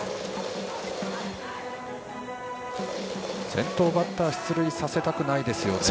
先頭バッター出塁させたくないですね。